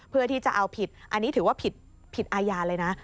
เพื่อที่จะเอาผิดอันนี้ถือว่าผิดอาญาเลยนะ